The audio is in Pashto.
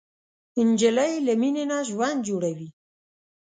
نجلۍ له مینې نه ژوند جوړوي.